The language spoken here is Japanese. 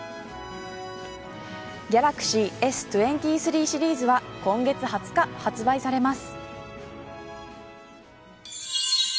ギャラクシーＳ２３シリーズは今月２０日、発売されます。